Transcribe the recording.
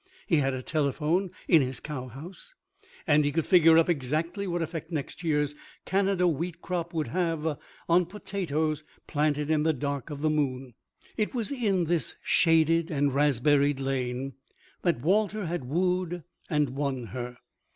He had a telephone in his cow house, and he could figure up exactly what effect next year's Canada wheat crop would have on potatoes planted in the dark of the moon. It was in this shaded and raspberried lane that Walter had wooed and won her.